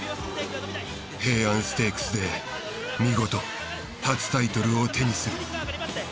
平安ステークスで見事初タイトルを手にする。